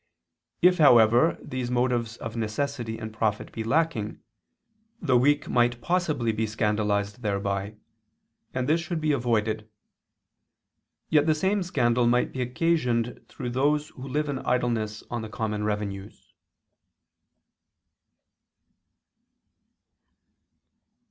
If, however, these motives of necessity and profit be lacking, the weak might possibly be scandalized thereby; and this should be avoided. Yet the same scandal might be occasioned through those who live in idleness on the common revenues.